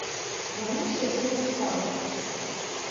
На ім сядзеў настаўнік.